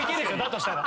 としたら。